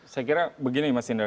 saya kira begini mas indra